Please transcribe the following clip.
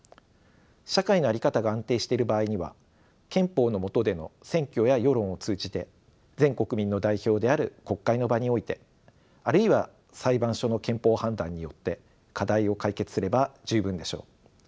社会の在り方が安定している場合には憲法のもとでの選挙や世論を通じて全国民の代表である国会の場においてあるいは裁判所の憲法判断によって課題を解決すれば十分でしょう。